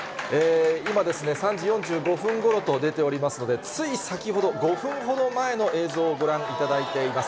今、３時４５分ごろと出ておりますので、つい先ほど、５分ほど前の映像をご覧いただいています。